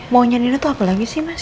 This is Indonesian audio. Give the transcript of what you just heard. maunya dina tuh apa lagi sih mas